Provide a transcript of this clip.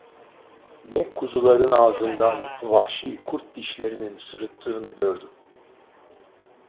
Ne kuzuların ağzından vahşi kurt dişlerinin sırıttığını gördüm…